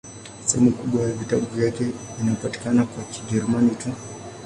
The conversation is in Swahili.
Sehemu kubwa ya vitabu vyake inapatikana kwa Kijerumani tu.